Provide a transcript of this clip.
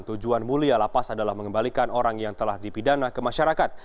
tujuan mulia lapas adalah mengembalikan orang yang telah dipidana ke masyarakat